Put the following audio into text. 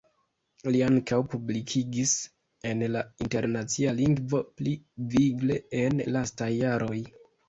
Li ankaŭ publikigis en la internacia lingvo, pli vigle en lastaj jaroj.